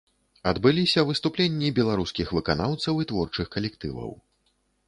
Адбыліся выступленні беларускіх выканаўцаў і творчых калектываў.